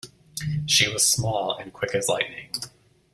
She was small and quick as lightning.